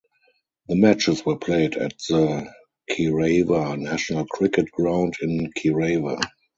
The matches were played at the Kerava National Cricket Ground in Kerava.